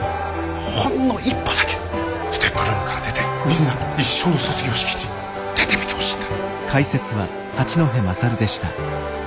ほんの一歩だけＳＴＥＰルームから出てみんなと一緒の卒業式に出てみてほしいんだ。